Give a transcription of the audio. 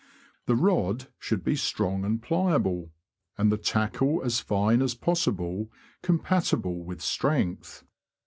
The rod should be strong and pliable, and the tackle as fine as possible compatible with strength.